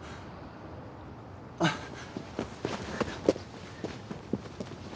あっ。